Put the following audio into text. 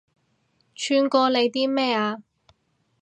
串過你啲咩啊